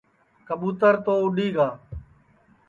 کٻُوتر تو اُڈؔی گا